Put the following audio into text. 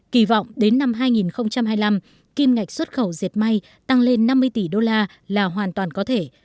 kỳ vọng đến năm hai nghìn hai mươi năm kim ngạch xuất khẩu dệt may tăng lên năm mươi tỷ đô la là hoàn toàn có thể